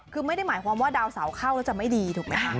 คือไม่ได้หมายความว่าดาวเสาเข้าแล้วจะไม่ดีถูกไหมคะ